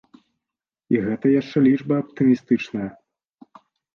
І гэта яшчэ лічба аптымістычная.